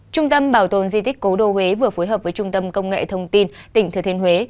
trung tâm bảo tồn di tích cố đô huế vừa phối hợp với trung tâm công nghệ thông tin tỉnh thừa thiên huế